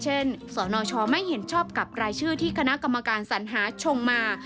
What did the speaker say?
สนชไม่เห็นชอบกับรายชื่อที่คณะกรรมการสัญหาชงมา